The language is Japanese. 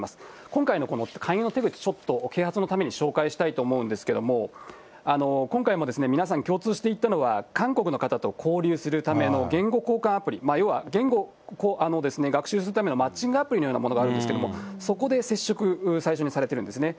今回の勧誘の手口、ちょっと啓発のために紹介したいと思うけれども、今回も皆さん、共通していたのは、韓国の方と交流するための言語交換アプリ、要は言語を学習するためのマッチングアプリのようなものがあるんですけれども、そこで接触、最初にされてるんですね。